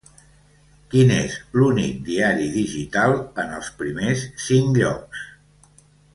Quin és l'únic diari digital en els primers cinc llocs?